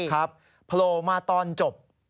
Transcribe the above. ครับโผล่มาตอนจบ